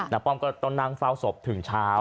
ป้อมก็ต้องนั่งเฝ้าศพถึงเช้า